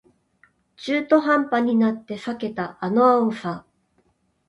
中途半端になって避けたあの青さ